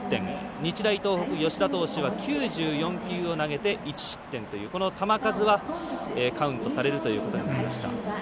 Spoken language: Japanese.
日大東北、吉田投手は９４球を投げて１失点という、球数はカウントされることになりました。